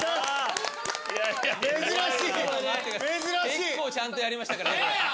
結構ちゃんとやりましたから。